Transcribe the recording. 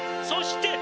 そして！